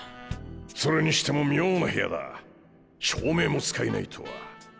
それにしても妙な部屋だ照明も使えないとは。